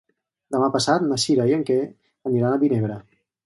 Demà passat na Sira i en Quer aniran a Vinebre.